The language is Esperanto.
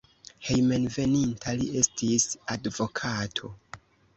Hejmenveninta li estis advokato.